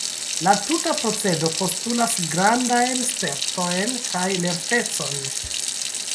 La tuta procedo postulas grandajn spertojn kaj lertecon.